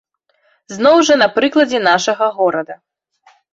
Зноў жа на прыкладзе нашага горада.